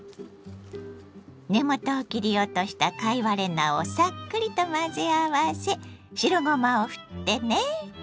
根元を切り落とした貝割れ菜をさっくりと混ぜ合わせ白ごまをふってね。